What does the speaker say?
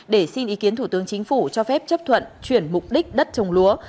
để xin ý kiến thủ tướng chính phủ cho phép chấp thuận chuyển mục đích đất trồng lúa